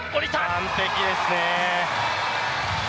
完璧ですね。